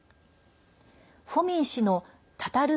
フォミン氏のタタル